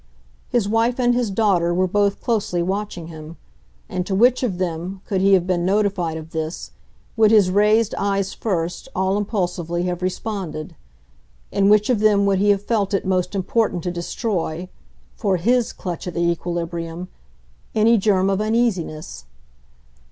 His wife and his daughter were both closely watching him, and to which of them, could he have been notified of this, would his raised eyes first, all impulsively, have responded; in which of them would he have felt it most important to destroy for HIS clutch at the equilibrium any germ of uneasiness?